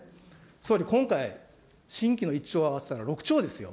総理、今回、新規の１兆を合わせたら、６兆ですよ。